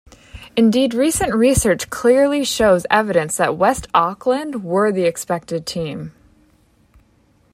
Indeed recent research clearly shows evidence that West Auckland were the expected team.